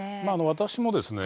私もですね